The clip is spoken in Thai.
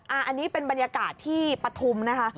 อันนี้เป็นบรรยากาศที่ปฐุมนะคะ